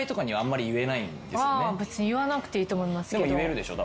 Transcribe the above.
別に言わなくていいと思いますけど。